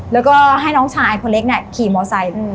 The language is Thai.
แล้วก็ให้น้องชายคนเล็กเนี่ยขี่มอไซค์